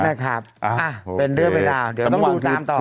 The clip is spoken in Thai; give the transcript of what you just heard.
มากครับอ่าโอเคเป็นเรื่องไปแล้วเดี๋ยวต้องดูตามต่อ